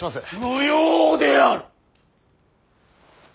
無用である！